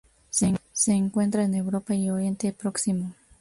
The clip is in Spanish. Se encuentra en Europa y Oriente Próximo.